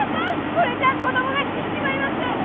これじゃ子どもが死んじまいます！